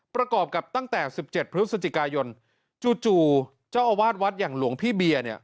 ประกอบกับตั้งแต่๑๗พฤศจิกายนจู่เจ้าอาวาสวัดอย่างหลวงพี่เบียร์เนี่ย